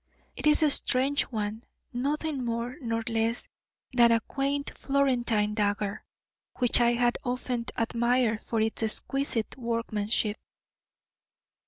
It is a strange one, nothing more nor less than a quaint Florentine dagger which I had often admired for its exquisite workmanship.